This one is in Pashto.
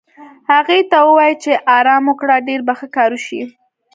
هغې ته ووایې چې ارام وکړه، ډېر به ښه کار وشي.